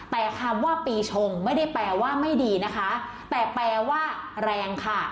แต่คำว่าปีชงไม่ได้แปลว่าไม่ดีนะคะแต่แปลว่าแรงค่ะ